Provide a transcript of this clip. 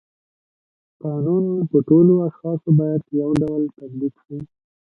قانون په ټولو اشخاصو باید یو ډول تطبیق شي.